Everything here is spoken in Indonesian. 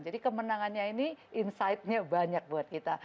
kemenangannya ini insightnya banyak buat kita